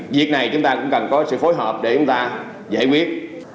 việc này chúng ta cũng cần có sự phối hợp để chúng ta giải quyết